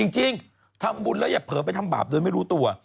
จริงทำบุญแล้วอย่าเผลอไปทำบาปโดยไม่รู้ตัว